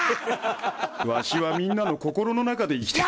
「わしはみんなの心の中で生きてる」